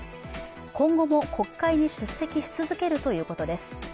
今後も国会に出席し続けるということです。